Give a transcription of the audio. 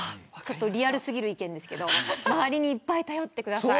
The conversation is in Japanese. リアル過ぎる意見ですけど周りにいっぱい頼ってください。